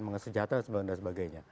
mengenai senjata dan sebagainya